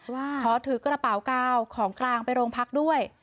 ขอถือกระเป๋ากาวของกลางไปโรงพักด้วย